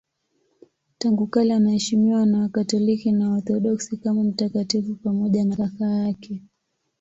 Tangu kale anaheshimiwa na Wakatoliki na Waorthodoksi kama mtakatifu pamoja na kaka yake.